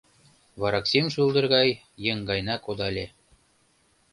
Вараксим шулдыр гай еҥгайна кодале